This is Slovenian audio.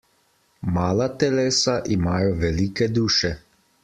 Mala telesa imajo velike duše.